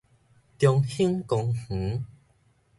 中興公園